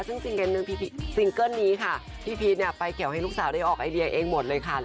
ซึ่งซิงเกิ้ลนี้ค่ะพี่พีชเนี่ยไปเกี่ยวให้ลูกสาวได้ออกไอเดียเองหมดเลยค่ะ